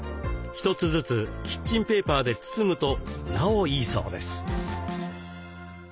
一つずつキッチンペーパーで包むとなおいいそうです。